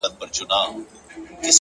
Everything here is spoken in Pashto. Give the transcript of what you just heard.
سترې موخې ستر صبر غواړي